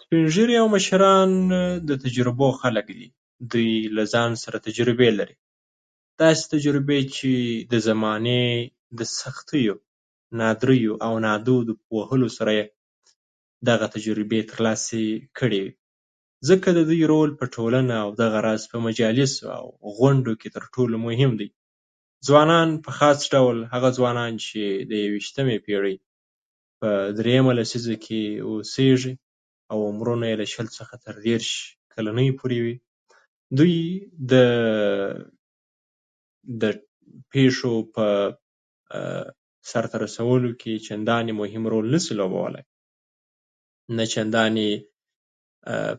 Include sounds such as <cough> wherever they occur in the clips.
سپین ږیري او مشران د تجربو خلک دي. دوی له ځان سره تجربې لري، داسې تجربې چې د زمانې د سختیو، نادریو او نادودو په وختونو سره یې دغه تجربې ترلاسه کړي. ځکه د دوی رول په ټولنه او دغه راز په مجالسو او غونډو کې تر ټولو مهم دی. ځوانان، په خاص ډول هغه ځوانان چې د یوویشتمې پېړۍ په درېیمه لسیزه کې اوسېږي او عمرونه یې د شل څخه تر دېرش کلنۍ پورې وي، دوی د <hesitation> د پېښو په <hesitation> سرته رسولو کې چندانې مهم رول نشي لوبولی، نه چندانې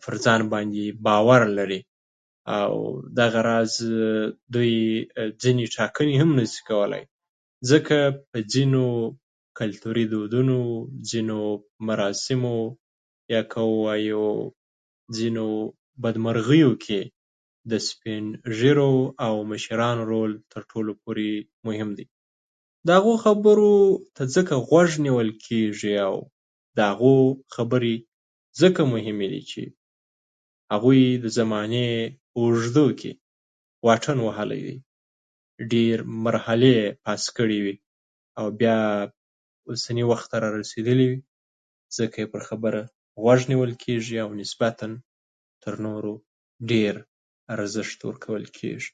پر ځان باندې باور لري، او دغه راز دوی ځینې ټاکنې هم نشي کولای. ځکه په ځینو کلتوري دودونو کې، ځینو مراسمو یا که ووایو ځینو بدمرغیو کې، د سپین ږیرو او مشرانو رول تر ټولو پورې مهم دی. د هغوی خبرو ته ځکه غوږ نیول کېږي، او د هغو خبرې ځکه مهمې دي چې هغوی د زمانې په اوږدو کې واټن وهلی دی، ډېرې مرحلې یې پاس کړي دي، او بیا اوسني وخت ته رارسېدلي وي. ځکه یې په خبره غوږ نیول کېږي او نسبتاً تر نورو ډېر ارزښت ورکول کېږي.